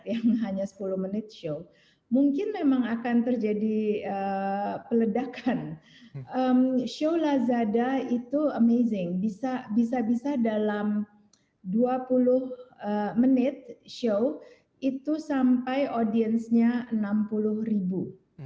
yang hanya sepuluh menit show mungkin memang akan terjadi peledakan show lazada itu amazing bisa bisa dalam dua puluh menit show itu sampai audiensnya enam puluh ribu